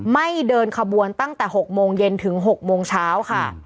ไม่เดินขบวนตั้งแต่๖โมงเย็นถึง๖โมงเช้าค่ะ